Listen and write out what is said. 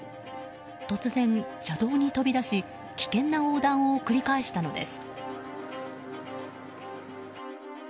突然、車道に飛び出し危険な横断を繰り返したのです。